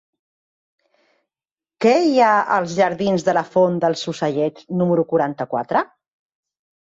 Què hi ha als jardins de la Font dels Ocellets número quaranta-quatre?